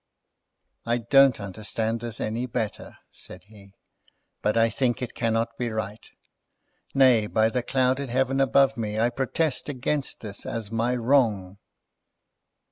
"I don't understand this any the better," said he; "but I think it cannot be right. Nay, by the clouded Heaven above me, I protest against this as my wrong!"